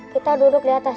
kita duduk di atas